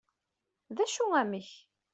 d acu amek?